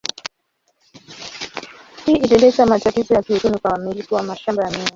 Hii ilileta matatizo ya kiuchumi kwa wamiliki wa mashamba ya miwa.